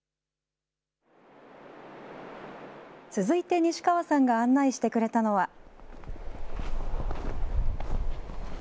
続いて西川さんが案内してくれたのは。